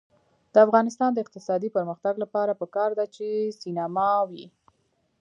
د افغانستان د اقتصادي پرمختګ لپاره پکار ده چې سینما وي.